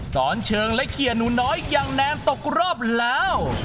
สอนเชิงและเคลียร์หนูน้อยอย่างแนนตกรอบแล้ว